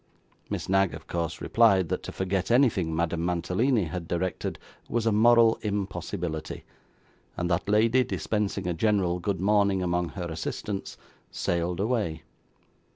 Miss Knag of course replied, that to forget anything Madame Mantalini had directed, was a moral impossibility; and that lady, dispensing a general good morning among her assistants, sailed away.